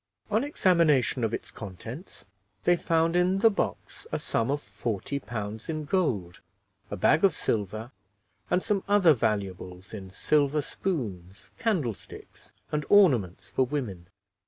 On examination of its contents, they found in the box a sum of 40 pounds in gold, a bag of silver, and some other valuables in silver spoons, candlesticks, and ornaments for women.